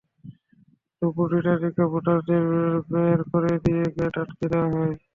দুপুর দুইটার দিকে ভোটারদের বের করে দিয়ে গেট আটকে দেওয়া হয়।